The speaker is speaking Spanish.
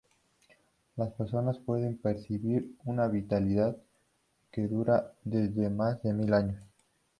Las personas pueden percibir una vitalidad que dura desde más de mil años.